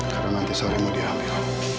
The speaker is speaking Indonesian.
karena nanti salimu diambil